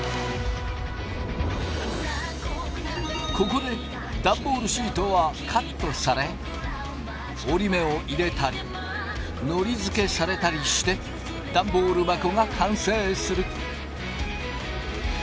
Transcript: ここでダンボールシートはカットされ折り目を入れたりのりづけされたりしてダンボール箱が完成する。